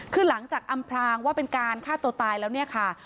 คือหลังจากอำพลางว่าเป็นการฆ่าตัวตายแล้วเนี่ยค่ะ